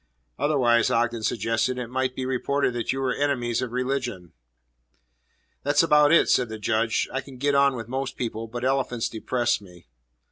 "Otherwise," Ogden suggested, "it might be reported that you were enemies of religion." "That's about it," said the Judge. "I can get on with most people. But elephants depress me."